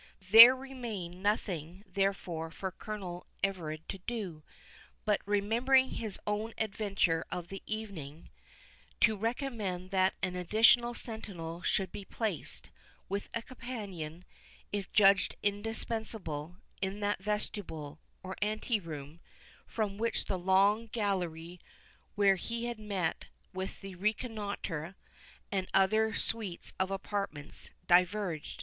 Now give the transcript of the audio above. There remained nothing therefore for Colonel Everard to do, but, remembering his own adventure of the evening, to recommend that an additional sentinel should be placed, with a companion, if judged indispensable, in that vestibule, or ante room, from which the long gallery where he had met with the rencontre, and other suites of apartments, diverged.